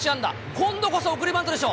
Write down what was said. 今度こそ送りバントでしょ。